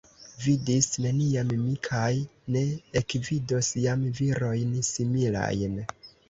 Vidis neniam mi kaj ne ekvidos jam virojn similajn.